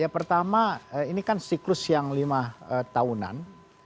ya pertama ini kan siklus yang lima tahunan